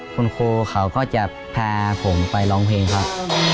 คุณครูเขาก็จะพาผมไปร้องเพลงครับ